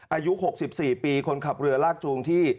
อายุ๖๔ปีคนขับเรือลากจูงที่